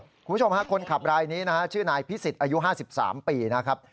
คุณผู้ชมฮะคนขับรายนี้นะฮะชื่อนายพิสิทธิ์อายุ๕๓ปีนะครับ